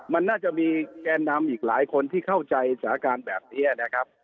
มันน่าจะมีแกนนำอีกหลายคนที่เข้าใจสถานการณ์แบบนี้นะครับ